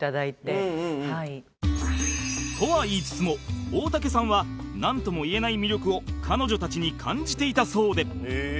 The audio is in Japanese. とは言いつつも大竹さんはなんともいえない魅力を彼女たちに感じていたそうで